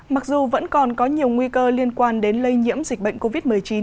mặc dù vẫn còn có nhiều nguy cơ liên quan đến lây nhiễm dịch bệnh covid một mươi chín